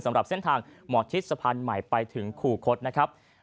สำหรับเส้นทางหมอชิดสะพานใหม่ไปถึงขู่คดนะครับ